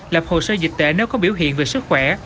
lập hồ sơ dịch tễ nếu có biểu hiện về sức khỏe